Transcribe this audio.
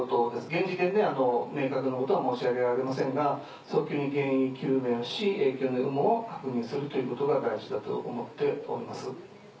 現時点で明確なことは申し上げられませんが早急に原因究明をし影響の有無を確認するということが大事だと思っております。